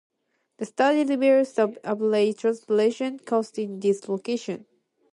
The study reveals the average transportation costs in these locations.